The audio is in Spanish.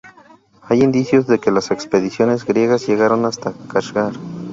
Hay indicios de que las expediciones griegas llegaron hasta Kashgar.